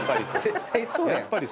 絶対そうやん。